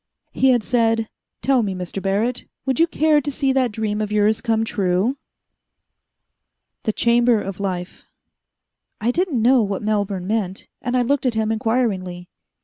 He had said, "Tell me, Mr. Barrett, would you care to see that dream of yours come true?" The Chamber of Life I didn't know what Melbourne meant, and I looked at him inquiringly.